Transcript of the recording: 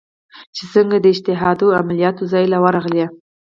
چې سنګه د استشهاديه عملياتو زاى له ورغلې.